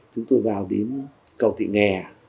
chúng tôi vào đến cầu thị nghè